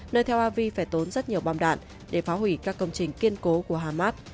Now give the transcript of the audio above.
nơi tel avi phải tốn rất nhiều bom đạn để phá hủy các công trình kiên cố của hamas